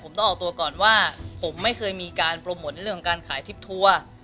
ผมต้องออกตัวก่อนว่าผมไม่เคยมีการโปรโมทเรื่องของการขายทริปทัวร์